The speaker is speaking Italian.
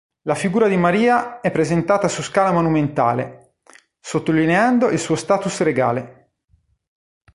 La figura di Maria è presentata su scala monumentale, sottolineando il suo status regale.